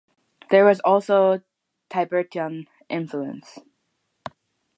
There is also Tibetan influence.